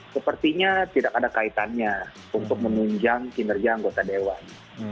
sepertinya tidak ada kaitannya untuk menunjang kinerja anggota dewan